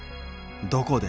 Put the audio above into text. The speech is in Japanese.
「どこで」